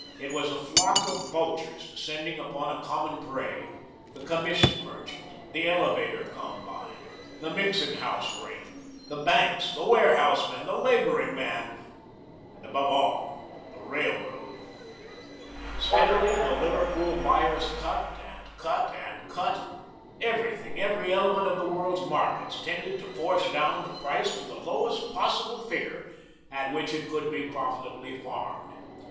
It was a flock of vultures descending upon a common prey the commission merchant, the elevator combine, the mixing house ring, the banks, the warehouse men, the labouring man, and, above all, the railroad. Steadily the Liverpool buyers cut and cut and cut. Everything, every element of the world's markets, tended to force down the price to the lowest possible figure at which it could be profitably farmed.